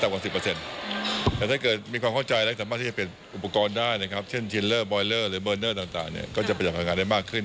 แต่ถ้าเกิดมีความเข้าใจอะไร